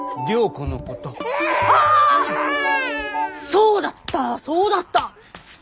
そうだったそうだった。